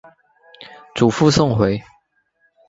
祖父宋回。